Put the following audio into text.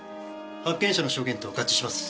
発見者の証言と合致します。